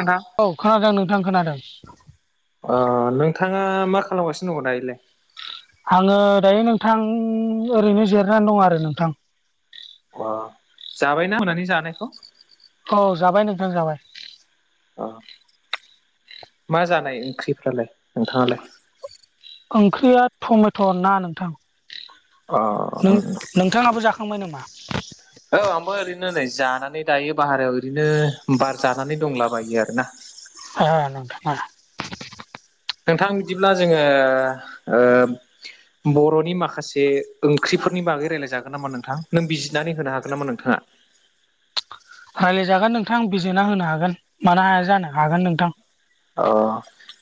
एबा औ खोनादों नोंथां खोनादों। नोंथाङा मा खालामगासिनो दं दा बेलाय आङो दायो नोंथां ओरैनो जिरनानै दं आरो नोंथां अ जाबायना मोनानि जानायखौ? औ जाबाय नोंथां जाबाय। अ मा जानाय ओंख्रिफ्रालाय नोंथाङालाय ओंख्रिया टमेट' ना नोंथां अ नों उम उम नोंथाङाबो जाखांबाय नामा? औ आंबो ओरैनो नै जानानै दायो बाहेरायाव ओरैनो बार जानानै दंलाबायो आरो ना। ओ नोंथां ओ नोंथां बिदिब्ला जोङो बर'नि माखासे ओंख्रिफोरनि बागै रायज्लाय जागोन नामा नोंथां नों बिजिरनानै होनो हागोन नामा नोंथाङा रायज्लायजागोन नोंथां आं बिजिरना होनो हागोन मानो हाया जानो हागोन नोंथां अ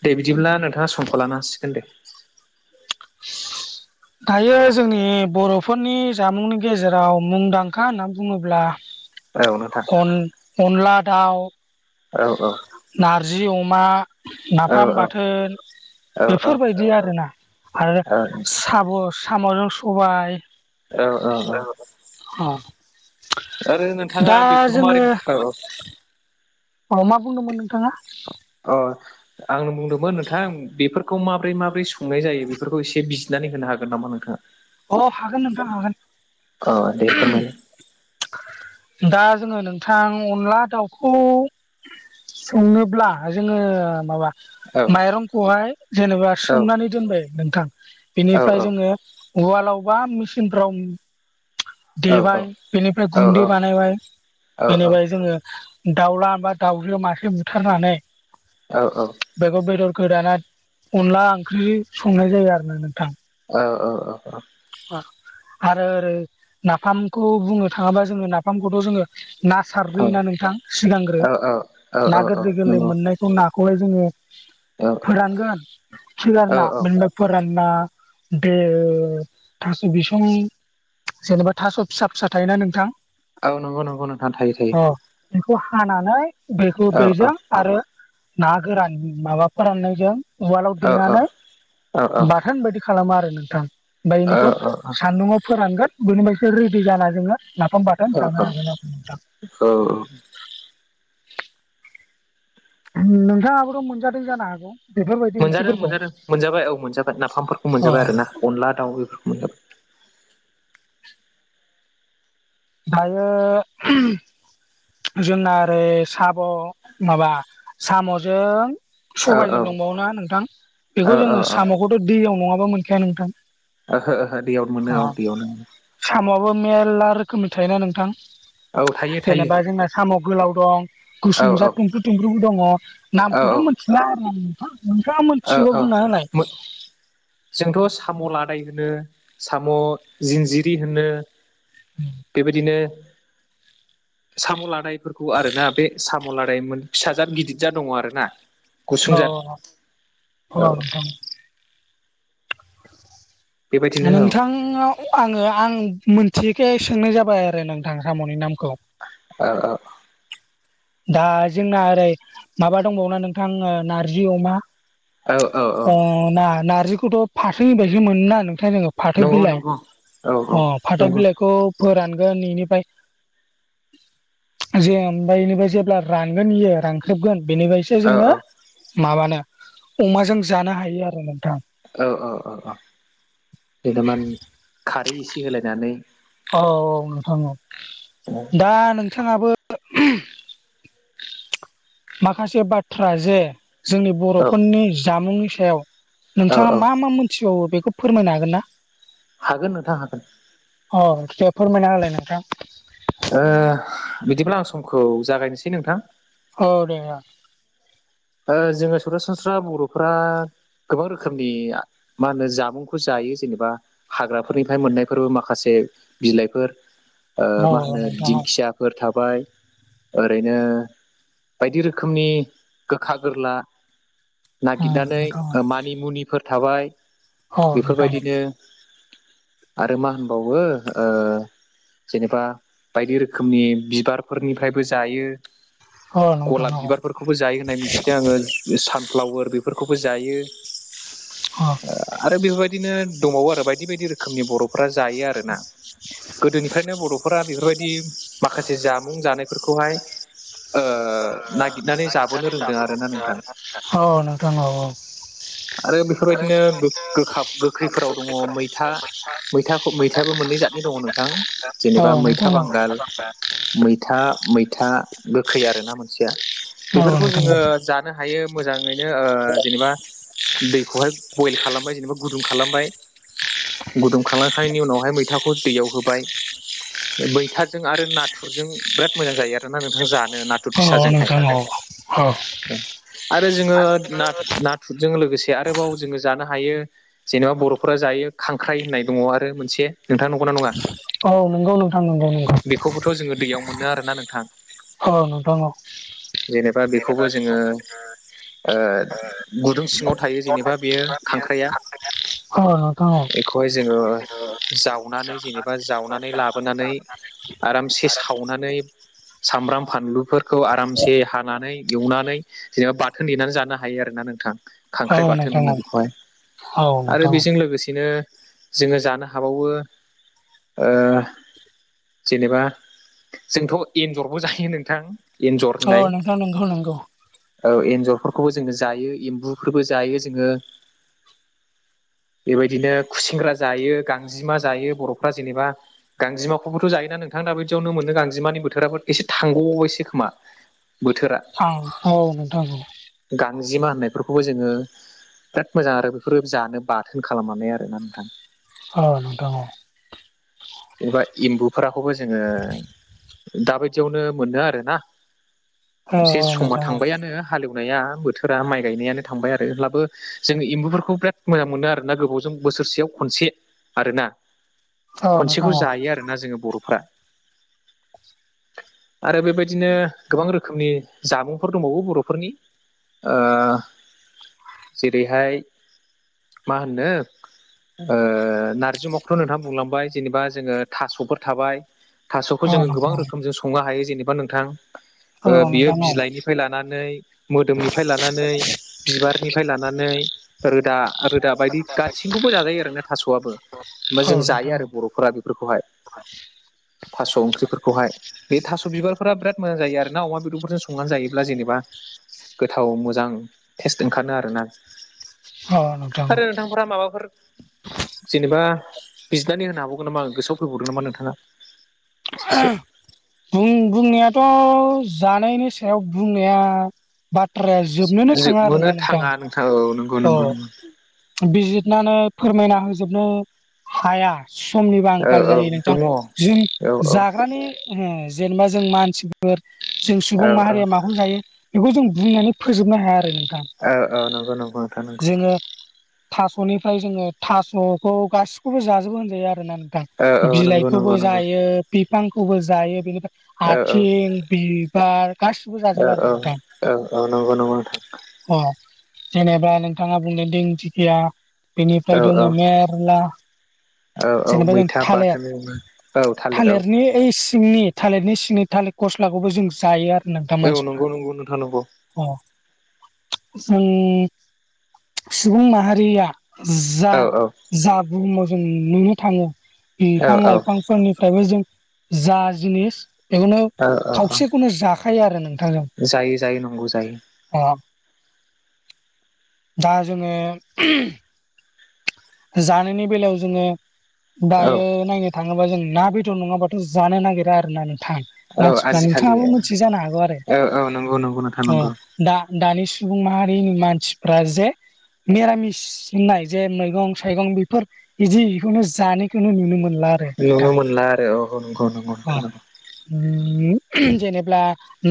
दे बिदिब्ला नोंथाङा समखौ लानो हासिगोन दे दायो जोंनि बर'फोरनि जामुंनि गेजेराव मुंदांखा होननानै बुङोब्ला औ नोंथां अनला दाउ औ औ नारजि अमा औ नाफाम औ बाथोन औ बेफोरबायदि आरोना आरो साब' साम'जों सबाय औ औ औ आरो नोंथाङा दा बेफोरखौ जोङो माबोरैनो अ मा बुंदोंमोन नोंथाङा? अ आंनो बुंदोंमोन नोंथां बेफोरखौ माबोरै माबोरै संनाय जायो बेफोरखौ एसे बिजिनानै होनो हागोन नामा नोंथाङा? अ हागोन नोंथां हागोन। अ दे फोरमायलाय दा जोङो नोंथां अनला दाउखौ संनोब्ला जोङो माबा औ माइरंखौहाय जेनेबा औ सोमनानै दोनबाय नोंथां औ औ बेनिफ्राय जोङो उवालाव बा मेसिनफ्राव औ देबाय बेनिफ्राय औ औ गुन्दै बानायबाय औ बेनिफ्राय जोङो दाउलाबा दाउजो मासे बुथारनानै औ औ। बेगर बेदरखौ दाना अनला ओंख्रि संनाय जायो आरो ना नोंथां औ औ औ औ। आरो ओरै नाफामखौ बुंनो थाङोबा जोङो नाफामखौथ' जोङो ना सारग्रोयोना नोंथां सिगांग्रो औ ना औ औ गोरलै गोरलै नंगौ मोननाय नाखौहाय जोङो औ फोरानगोन सिगार औ ना औ बेनिफ्राया फोराना देयो थास' बिसं जेनेबा थास' फिसा फिसा थायोना नोंथां? नंगौ नंगौ नोंथां थायो थायो अ बेखौ हानानै बेखौ औ औ बेजों आरो ना गोरान माबा फोराननायजों उवालाव औ देनानै औ बाथोन बायदि। खालामा आरो नोंथां ओमफ्राय बेनिखौ अ-अ सानदुङआव फोरानांगोन बेनिफ्रायसो रेडि जा जोङो नाफाम बाथोन औ जानो हागोन नोंथां। औ औ। नोंथाङाबोथ' मोनजादों जानो हागौ बेफोरबायदि मोनजादों ओंख्रिफोरखौ मोनजादों मोनजाबाय औ मोनजाबाय नाफामफोरखौ अ मोनजाबाय आरो ना अनला दाउ बेफोरखौ मोनो दायो जोंना ओरै साब माबा साम'जों औ सबायजों औ दंबावो ना नोंथां औ बेखौ जोङो औ साम'खौथ' दैयाव नङाबा मोनखाया नोंथां। ओहो ओहो दैयावनो मोनो औ दैयावनो। साम'आबो मेरला रोखोमनि थायोना नोंथां औ थायो थायो जेनेबा जोंना साम' गोलाव दं औ गुसुं जाद थुमफ्रु थुमफ्रुबो दङ औ नामखौथ' मोन ना आरो नोंथां। नोंथाङा औ मिथिगौबा औ बुंना होनालाय जोंथ' साम' लादाय होनो साम' जिनजिरि होनो बेबायदिनो साम' लादायफोरखौ आरो ना बे साम' लादायमोन फिसा जाद गिदिर जाद दङ आरो ना गुसुं औ जाद औ अ नोंथां बेबायदिनो औ नोंथांआव आङो आं मिथियैखाय सोंनाय जाबाय आरो नोंथां साम'नि नामखौ। औ औ दा जोंना ओरै माबा दंबावोना नोंथां नारजि अमा औ औ औ ओ ना नारजिखौथ' फाथोनि बायसो मोनो ना नोंथां जोङो फाथो नंगौ बिलाइ नंगौ औ औ अ फाथो नंगौ बिलाइखौ फोरानगोन बेनिफ्राय जे ओमफ्राय बेनिफ्राय जेब्ला रानगोन इयो रानख्रेबगोन बेनिफ्रायसो औ जोङो माबानो अमाजों जानो हायो आरो नोंथां। औ औ औ औ देदामानि खारै एसे होलायनानै औ औ नोंथां औ दा नोंथाङाबो माखासे बाथ्रा जे जोंनि औ बर'फोरनि जामुंनि सायाव औ औ नोंथाङा मा मा मोनथिबावो बेखौ फोरमायनो हागोन ना? हागोन नोंथां हागोन अ दे फोरमायना होलाय नोंथां ओ बिदिब्ला आं समखौ जागायनोसै नोंथां औ दे ओ ओ जोङो सरासनस्रा बर'फोरा गोबां रोखोमनि मा होनो जामुंखौ जायो जेनेबा हाग्राफोरनिफ्राय मोननायफोरबो माखासे बिलाइफोर ओ औ मा होनो नोंथां दिंखिया फोर थाबाय ओरैनो बायदि रोखोमनि गोखा गोरला औ नागिरनानै ओ मानि मुनिफोर थाबाय उम नोंथां बेफोरबायदिनो आरो मा होनबावो ओ जेनेबा बायदि रोखोमनि बिबारफोरनिफ्रायबो जायो। औ नोंथां औ नोंथां गलाब औ बिबारफोरखौबो जायो होननाय मिथिदों आङो सानफ्लावार बेफोरखौबो जायो अ आरो बेफोरबायदिनो दंबावो आरो बायदि बायदि रोखोमनि बर'फ्रा जायो आरोना। गोदोनिफ्रायनो बर'फोरा बेफोरबायदि माखासे जामुं जानायफोरखौहाय ओ नागिरनानै जाब [unintelligible] अ नोंथां अ अ आरो बेफोरबायदिनो गोग गोखा गोखैफोराव दङ मैथा मै मैथाखौ मैथायाबो मोननै जादनि दङ नोंथां औ जेनेबा औ मैथा नोंथां बांगाल मै मैथा मैथा गोखै आरोना मोनसेया। औ बेफोरखौ नोंथां जोङो जानो हायो मोजाङैनो ओ जेनेबा दैखौहाय बयल खालामबाय जेनेबा गुदुं खालामबाय गुदुं खालाखांनायनि उनावहाय मैथाखौ दैयाव होबाय मैथाजों आरो नाथुरजों बिराद मोजां जायो आरोना नोंथां जानो नाथुर औ फिसाजोंहाय। नोंथां [unintelligible] आरो जोङो नाथ-नाथुरजों लोगोसे आरोबाव जोङो जानो हायो जेनेबा बर'फोरा जायो खांख्राइ होननाय दङ आरो मोनसे नोंथां नंगौना नङा औ नंगौ नोंथां नंगौ नंगौ बेखौबोथ' जोङो दैयाव मोनो आरोना नोंथां अ नोंथां अ जेनेबा बेखौबो जोङो [inaudible] ओ गुदुं सिङाव थायो जेनेबा बेयो खांख्राइया औ औ नोंथां औ बेखौहाय जोङो जावनानै जेनेबा जावनानै लाबोनानै आरामसे सावनानै सामब्राम फानलुफोरखौ आरामसे नानै एवनानै जेनेबा बाथोन देनानै जानो हायो आरोना नोंथां खांख्राइ औ बाथोन नोंथां होनो औ बेखौहाय औ आरो नोंथां बेजों लोगोसेनो जोङो जानो हाबावो ओ जेनेबा जोंथ' एन्जरबो जायो नोंथां एन्जर अ होननाय नोंथां नंगौ नंगौ औ एन्जरफोरखौबो जोङो जायो एम्बुफोरबो जायो जोङो बेबायदिनो खुसेंग्रा जायो गांजेमा जायो बर'फ्रा जेनेबा गांजेमाखौबोथ' जायोना नोंथां दा बिदियावनो मोनो गांजेमानि बोथााबो एसे थांगबायसो खोमा बोथोरा खांख्राइ [unintelligible] गांजेमा होननायफोरखौहाय जोङो बिराद मोजां आरो बेफोरो जानो बाथोन खालामनानै आरोना नोंथां अ नोंथां अ जेनेबा एम्बु फोराखौबो जोङो दाबायदियावनो मोनो आरो ना औ एसे समा नोंथां औ थांबायानो हालेवनाया बोथोरा माइ गायनायानो थांबाय आरो अब्लाबो जों एम्बुफोरखौ बिराद मोजां मोनो आरोना गोबावजों बोसोरसेयाव खनसे आरोना औ खनसेखौ नोंथां औ जायो आरो ना जोङो बर'फ्रा आरो बेबायदिनो गोबां रोखोमनि जामुंफोर दंबावो बर'फोरनि ओ जेरैहाय मा होनो नारजि अमाखौथ' नोंथाङा बुंलांबाय जेनेबा जोङो थास'फोर थाबाय थास'खौ औ जोङो गोबां नोंथां रोखोमजों संनो हायो जेनेबा नोंथां औ बियो नोंथां बिलाइनिफ्राय लानानै मोदोमनिफ्राय लानानै बिबारनिफ्राय लानानै रोदा रोदा बायदि गासैखौबो जाजायो आरो ना थास'आबो बा औ जों नोंथां जायो औ आरो बर'फोरा बेफोरखौहाय थास' ओंख्रिफोरखौहाय बे थास' बिबारफोरा बिराद मोजां जायो आरो ना अमा बेदरफोरजों संनानै जायोब्ला जेनेबा गोथाव मोजां टेस्ट ओंखारो आरोना औ नोंथां औ आरो नोंथांफोरा माबाफोर जेनेबा बिजिरनानै होनो हाबावगोन नामा गोसोआव फैबावदों नामा नोंथाङा एसे बुं-बुंनायाथ' जानायनि सायाव बुंनाया बाथ्राया जोबनोनो थाङा आरोना नोंथां थाङा औ नंगौ अ नंगौ नंगौ बिजिरनानै फोरमायना होजोबनो हाया समनिबो औ आंखाल औ जायो नोंथां दङ औ जों औ जाग्रानि उम जेनेबा जों मानसि फोर जों औ सुबुं माहारिया माखौ जायो बेखौ जों बुंनानै फोजोबनो हाया आरो नोंथां औ औ नंगौ नंगौ नोंथां नंगौ जोङो थास'निफ्राय जोङो थास'खौ गासिखौबो जाजोबो होनजायो आरोना नोंथां औ औ नंगौ नंगौ बिलाइखौबो नंगौ जायो बिफांखौबो जायो बेनिफ्राय औ औ आथिं बिबार गासिबो औ जाजोबो आरो औ नोंथां औ औ नंगौ नंगौ नोंथां अ जेनेबा नोंथाङा बुंदो दिंथिखिया बेनिफ्राय औ औ दङो मेरला औ औ जेनेबा जों मैथा थालिर बाथोन। औ थालिराव थालिरनि ओइ सिंनि थालिरनि सिंनि थालिर गस्लाखौबो जों जायो आरो नोंथां औ मानसिफ्रा। नंगौ नंगौ नोंथां नंगौ अ जों सुबुं माहारिया जा औ औ -जा बुहुमाव जों नुनो थाङो बिफां औ लाइफांफोरनिफ्रायबो जों जा जिनिस बेखौनो औ औ औ खावसेखौनो जाखायो आरो नोंथां जों। जायो जायो नंगौ जायो दा जोङो जानायनि बेलायाव जोङो औ दायो नायनो थाङोबा जों ना बेदर नङाबाथ' जानो नागिरा आरो ना नोंथां। औ मानसिफ्रा आजिखालि नोंथाङाबो मोनथि जानो हागौ आरो औ औ नंगौ नंगौ नोंथां अ नंगौ दा दानि सुबुं माहारिनि मानसिफ्रा जे मिरामिस होननाय जे मैगं थाइगं बेफोर बिदि बेखौनो जानायखौनो नुनो मोनला। आरो नुनो नोंथां मोनला आरो औ -औ नंगौ नंगौ नोंथां नंगौ। जेनेबा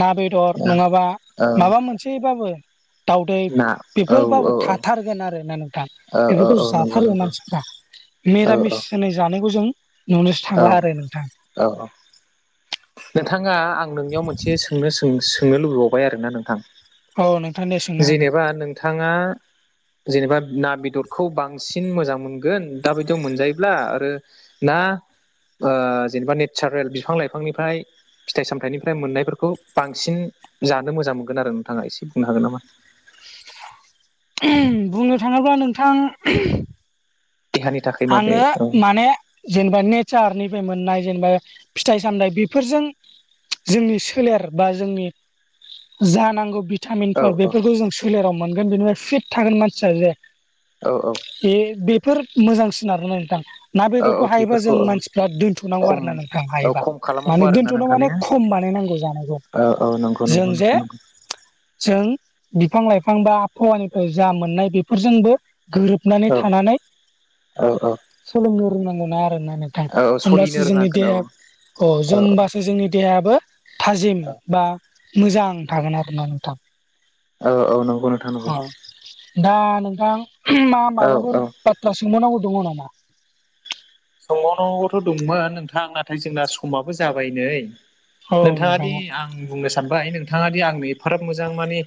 ना बेदर औ नङाबा औ माबा मोनसे सेबाबो दावदै ना औ बेफोरबाबो थाथारगोन आरो ना नोंथां। ओ ओ औ नंगौ थारो नंगौ मानसिफ्रा औ मिरामिस औ होनाय जानायखौ जों नुनोसो थांला आरो नोंथां। औ औ नोंथाङा आं नोंनियाव मोनसे सोंनो सों सोंनो लुबैबावबाय आरोना नोंथां। औ नोंथां दे सोंनो हागोन जेनेबा नोंथाङा जेनेबा ना बेदरखौ बांसिन मोजां मोनगोन दा बादियाव मोनजायोब्ला आरो ना ओ जेनेबा नेचारेल बिफां लाइफांनिफ्राय फिथाइ सामथाइनिफ्राय मोननायफोरखौ बांसिन जानो मोजां मोनगोन आरो नोंथाङा एसे बुंनो हागोन नामा? बुंनो थाङोब्ला नोंथां देहानि थाखाय माबे आङो औ माने जेनेबा नेचारनिफ्राय मोननाय जेनेबा फिथाइ सामथाइ बेफोरजों जोंनि सोलेर बा जोंनि जा नांगौ भि औ टामिनफोर औ बेफोरखौ जों सोलेराव मोनगोन बेनिफ्राय फिट थागोन मानसिया जे। औ औ ए बेफोर मोजांसिन आरोना नोंथां। ना औ औ बेदरखौ हायोबा थैफोरखौ जों औ मानसिफ्रा दोनथ'नांगौ खम आरोना नोंथां औ हायोबा खम खालामनांगौ माने आरोना दोन्थ'नो नोंथां ने माने खम बानायनांगौ जा औ औ नंगौ नंगौ नोंथां नंगौ। जों बिफां लाइफां बा आबहावानिफ्राय जा मोननाय बेफोरजोंबो गोरोब हाबनानै औ थानानै औ औ सोलोंनो रोंनांगौ ना आरोना नोंथां। औ औ सलिनो होमब्लासो जोंनि रोंनांगोन औ देहाया अ' औ जों होमबासो जोंनि देहायाबो थाजिम बा मोजां थागोन आरोना नोंथां। औ औ नंगौ नोंथां। नंगौ अ' दा नोंथां मा औ औ माबाफोर बाथ्रा सोंबावनांगौ दङ नामा? सोंबावनांगौथ' दंमोन नोंथां नाथाय जोंना समाबो जाबाय नै। औ नोंथाङा दि नोंथां आं बुंनो सानबाय नोंथाङा दि आंनो एफाराब मोजां माने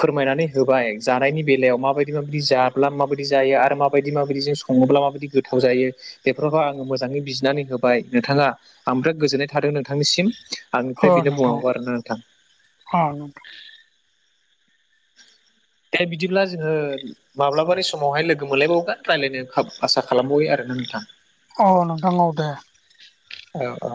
फोरमायनानै होबाय जानायनि बेलायाव माबायदि माबायदि जाब्ला माबायदि जायो आरो माबायदि माबायदि जों सङोब्ला माबायदि गोथाव जायो। बेफोरखौव आंनो मोजाङै बिजिरनानै होबाय नोंथाङा आं बिराद गोजोननाय थादों नोंथांनिसिम। आंनिफ्राय बिनो बुंनांगौ आरोना नोंथां। औ नोंथां। दा बिदिब्ला जोङो माब्लाबानि समावहाय लोगो मोनलायबावोब्ला रायलायनो खाबु आसा खालामबावयो आरोना नोंथां। औ नोंथां औ दे। औ ओ।